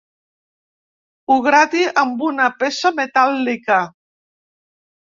Ho grati amb una peça metàl·lica.